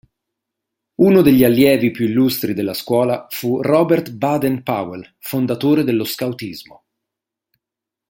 Uno degli allievi più illustri della scuola fu Robert Baden-Powell, fondatore dello scautismo.